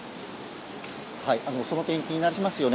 その点、気になりますよね。